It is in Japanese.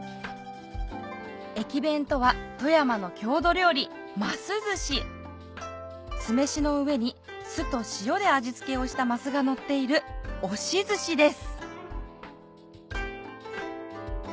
駅弁とは富山の郷土料理ますずし酢飯の上に酢と塩で味付けをしたますがのっている押しずしです